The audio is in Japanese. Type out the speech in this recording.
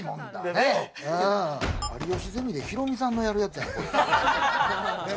『有吉ゼミ』でヒロミさんがやるやつやん。